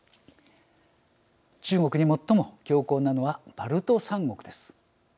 中国に最も強硬なのはバルト３国です。